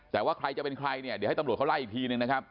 แต่ว่าใครจะเป็นใครเนี่ยเดี๋ยวให้ตำรวจเขาไล่อีกทีนึงนะครับ